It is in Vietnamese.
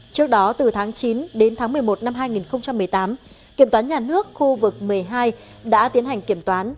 trước đó từ tháng chín đến tháng một mươi một năm hai nghìn một mươi tám kiểm toán nhà nước khu vực một mươi hai đã tiến hành kiểm toán